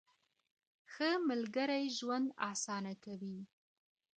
ښه ملګری ژوند اسانه کوي